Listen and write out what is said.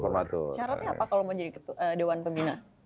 caranya apa kalau mau jadi dewan pembina